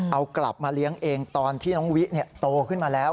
เอากลับมาเลี้ยงเองตอนที่น้องวิโตขึ้นมาแล้ว